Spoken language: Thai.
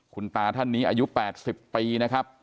คุณตาท่านนี้อายุ๘๐ปีนะครับ